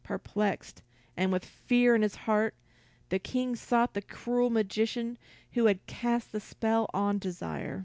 Perplexed, and with fear in his heart, the King sought the cruel magician who had cast the spell on Desire.